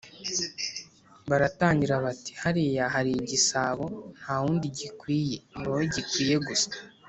baratangira bati: “hariya hari igisabo nta wundi gikwiye, ni wowe gikwiye gusa,